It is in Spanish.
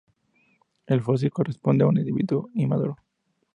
El fósil corresponde a un individuo inmaduro.